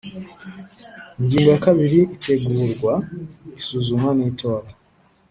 Ingingo ya kabiri Itegurwa isuzumwa n itorwa